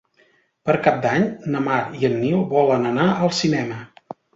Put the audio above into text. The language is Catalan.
Per Cap d'Any na Mar i en Nil volen anar al cinema.